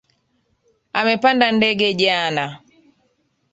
Amepanda ndege jana